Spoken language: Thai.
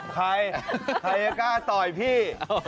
ใครใครกล้าต่อยพี่